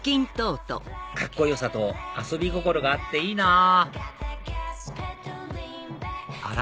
カッコよさと遊び心があっていいなぁあら？